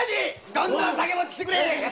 どんどん酒を持ってきてくれ。